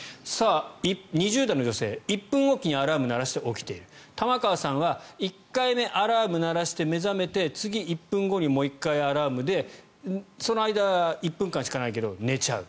２０代の女性、１分おきにアラームを鳴らして起きている玉川さんは１回目アラームを鳴らして目覚めて次、１分後にもう１回アラームでその間、１分間しかないけど寝ちゃう。